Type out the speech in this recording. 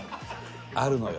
あるのよ。